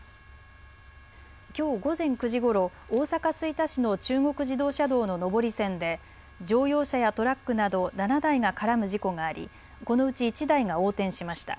きょう午前９時ごろ、大阪吹田市の中国自動車道の上り線で乗用車やトラックなど７台が絡む事故がありこのうち１台が横転しました。